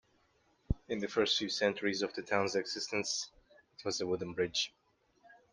In the first few centuries of the town's existence, it was a wooden bridge.